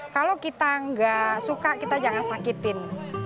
kalau kita nggak suka kita jangan sakitin